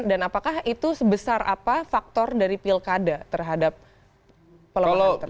dan apakah itu sebesar apa faktor dari pilkada terhadap pelembagaan tertentu